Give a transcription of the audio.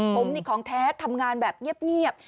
ผมนี่ของแท้ทำงานแบบเงียบ